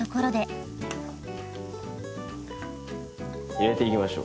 入れていきましょう。